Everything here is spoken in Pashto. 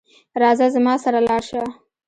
راځه زما سره لاړ شه